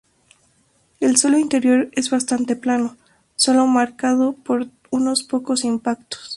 El suelo interior es bastante plano, solo marcado por unos pocos impactos.